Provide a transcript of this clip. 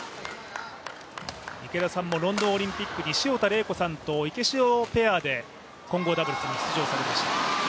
池田さんもロンドンオリンピックに潮田玲子さんとイケシオペアで混合ダブルスに出場されました。